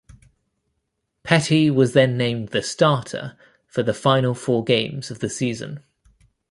Petty was then named the starter for the final four games of the season.